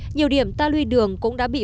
nhiều điểm ta luy đường cũng đã bị nứt